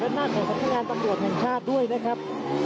คุณภูริพัฒน์ครับ